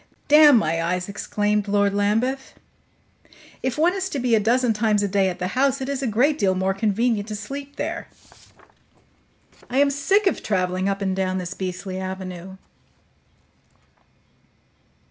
"Damn my eyes!" exclaimed Lord Lambeth. "If one is to be a dozen times a day at the house, it is a great deal more convenient to sleep there. I am sick of traveling up and down this beastly avenue."